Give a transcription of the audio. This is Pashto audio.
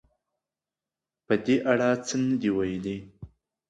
په دې اړه څه نه دې ویلي